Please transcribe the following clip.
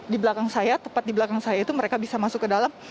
di belakang saya tepat di belakang saya itu mereka bisa masuk ke dalam